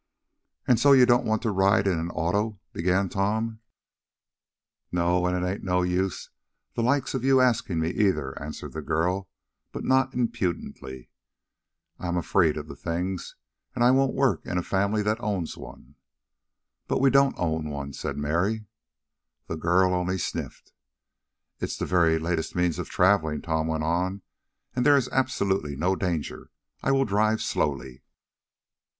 "And so you don't want to ride in an auto?" began Tom. "No, an' it's no use of the likes of you askin' me, either," answered the girl, but not impudently. "I am afeered of thim things, an' I won't work in a family that owns one." "But we don't own one," said Mary. The girl only sniffed. "It is the very latest means of traveling," Tom went on, "and there is absolutely no danger. I will drive slowly."